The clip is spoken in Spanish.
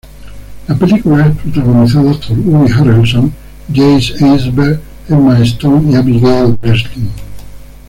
La película es protagonizada por Woody Harrelson, Jesse Eisenberg, Emma Stone y Abigail Breslin.